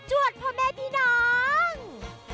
วดพ่อแม่พี่น้อง